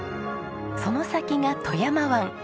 その先が富山湾。